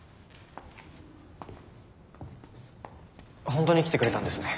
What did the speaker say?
本当に来てくれたんですね。